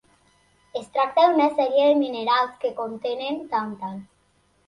Es tracta d'una sèrie de minerals que contenen tàntal.